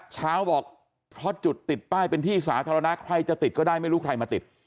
เช้าบอกเพราะจุดติดป้ายเป็นที่สาธารณะใครจะติดก็ได้ไม่รู้ใครมาติด